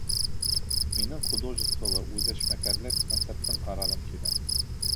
Минең художестволы үҙешмәкәрлек концертын ҡарағым килә.